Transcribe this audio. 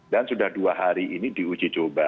dan sudah dua hari ini diuji coba